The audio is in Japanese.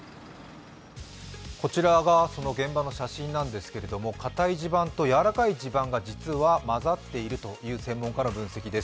こちらが現場の写真なんですけれども硬い地盤とやわらかい地盤が混ざっているという専門家の分析です。